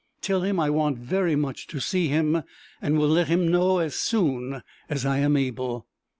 Tell him I want very much to see him, and will let him know as soon as I am able."